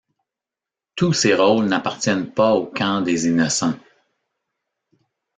Tous ces rôles n'appartiennent pas au camp des Innocents.